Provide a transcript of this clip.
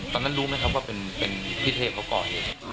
ตอนนั้นรู้ไหมครับว่าเป็นพี่เทพเขาก่อเหตุ